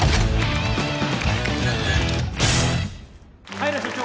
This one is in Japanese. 平社長